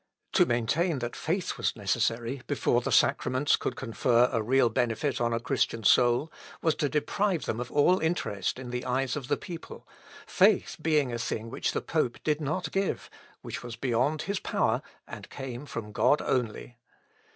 To maintain that faith was necessary before the sacraments could confer a real benefit on a Christian soul, was to deprive them of all interest in the eyes of the people; faith being a thing which the pope did not give, which was beyond his power, and came from God only.